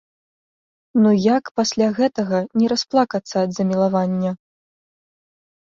Ну як пасля гэтага не расплакацца ад замілавання!